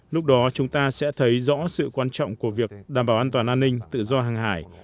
lúc đó chúng ta sẽ thấy rõ sự quan trọng của việc đảm bảo an toàn an ninh tự do hàng hải